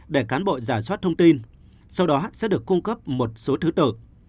để cán bộ giả soát thông tin sau đó sẽ được cung cấp một số thứ tự